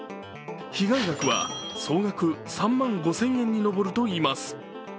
被害額は総額３万５０００円に上るといいます。